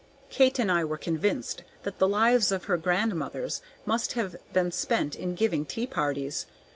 Kate and I were convinced that the lives of her grandmothers must have been spent in giving tea parties.